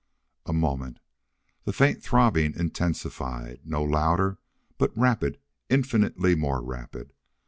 A moment. The faint throbbing intensified. No louder, but rapid, infinitely more rapid.